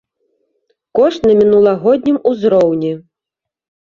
Кошты на мінулагоднім узроўні.